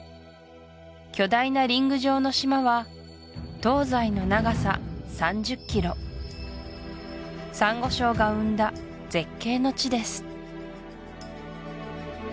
巨大なリング状の島は東西の長さ３０ｋｍサンゴ礁が生んだ絶景の地です